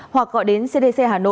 hoặc gọi đến cdc